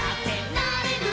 「なれる」